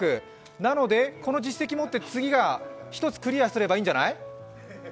なので、この実績をもって次に１つクリアすればいいんじゃない？